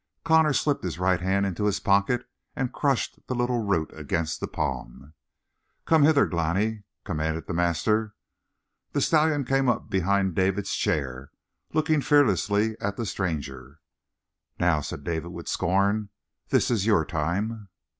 Connor slipped his right hand into his pocket and crushed the little root against the palm. "Come hither, Glani," commanded the master. The stallion came up behind David's chair, looking fearlessly at the stranger. "Now," said David with scorn. "This is your time."